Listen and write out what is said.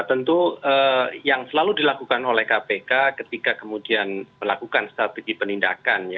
tentu yang selalu dilakukan oleh kpk ketika kemudian melakukan strategi penindakan